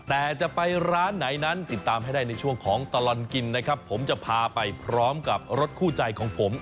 แต่จะไปร้านไหนนั้นติดตามให้ได้ในช่วงของตลอดกินนะครับผมจะพาไปพร้อมกับรถคู่ใจของผม